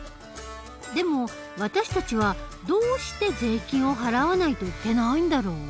でも私たちはどうして税金を払わないといけないんだろう？